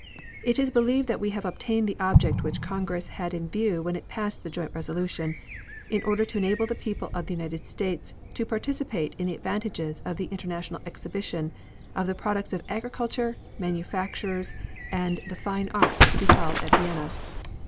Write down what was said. It is believed that we have obtained the object which Congress had in view when it passed the joint resolution "in order to enable the people of the United States to participate in the advantages of the International Exhibition of the Products of Agriculture, Manufactures, and the Fine Arts to be held at Vienna."